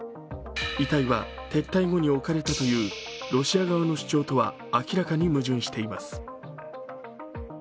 遺体は撤退後に置かれたというロシア側の主張とは明らかに矛盾しています。